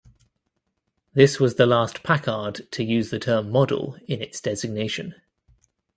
This was the last Packard to use the term "model" in its designation.